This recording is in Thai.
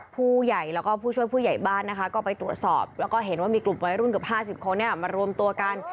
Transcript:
ผู้ใหญ่แล้วก็ผู้ช่วยผู้ใหญ่บ้านนะคะก็ไปตรวจสอบแล้วก็เห็นว่ามีกลุ่มวัยรุ่นเกือบ๕๐คนมารวมตัวกัน